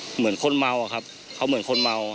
เหมือนคนเมาอะครับเขาเหมือนคนเมา